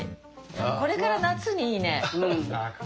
これから夏にいいね。